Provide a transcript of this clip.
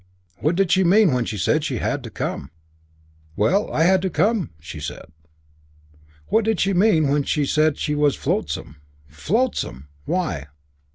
What did she mean when she said she had to come? 'Well, I had to come,' she said. What did she mean when she said she was flotsam? Flotsam! Why?